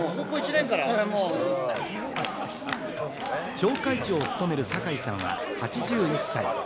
町会長を務める坂井さんは、８１歳。